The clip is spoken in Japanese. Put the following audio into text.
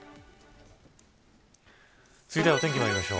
続いてはお天気にまいります。